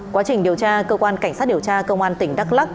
quá trình điều tra cơ quan cảnh sát điều tra công an tỉnh đắk lắc